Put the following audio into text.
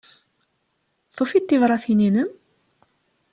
Tufiḍ tibṛatin-inem?